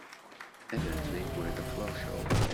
Evidently we're the floor show.